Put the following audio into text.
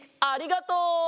ありがとう！